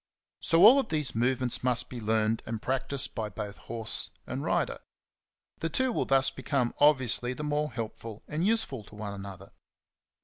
So all these movements must be learned and practised by both horse and rider. The two will thus become obviously the more helpful and useful to one another.